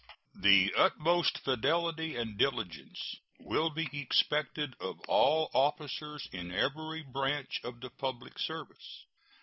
The utmost fidelity and diligence will be expected of all officers in every branch of the public service.